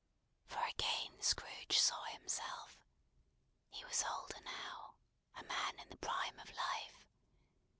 For again Scrooge saw himself. He was older now; a man in the prime of life.